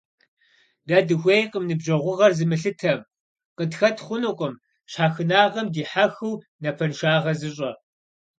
Дэ дыхуейкъым ныбжьэгъугъэр зымылъытэм, къытхэт хъунукъым щхьэхынагъэм дихьэхыу напэншагъэ зыщӀэ.